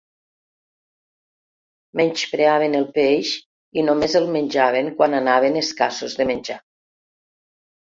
Menyspreaven el peix i només el menjaven quan anaven escassos de menjar.